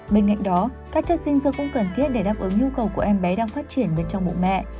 bên cạnh đó các chất dinh dưỡng cũng cần thiết để đáp ứng nhu cầu của em bé đang phát triển bên trong bụng mẹ